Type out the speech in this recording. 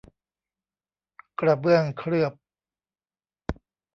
กระเบื้องเคลือบ